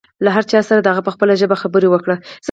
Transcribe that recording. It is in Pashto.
له هر چا سره د هغه په خپله ژبه خبرې وکړئ.